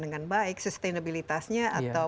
dengan baik sustainabilitasnya atau